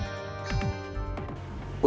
nanti gue bakal ngasih tau